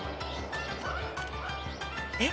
えっ？